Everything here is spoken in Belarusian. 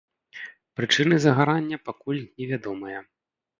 Прычыны загарання пакуль не вядомая.